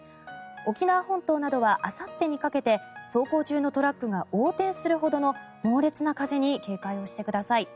沖縄本島などはあさってにかけて走行中のトラックが横転するほどの猛烈な風に警戒をしてください。